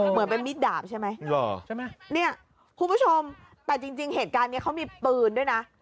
เหมือนเป็นมีดดาบใช่ไหมหรอใช่ไหมเนี่ยคุณผู้ชมแต่จริงเหตุการณ์นี้เขามีปืนด้วยนะ